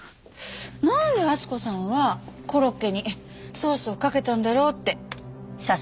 なんで温子さんはコロッケにソースをかけたんだろうって。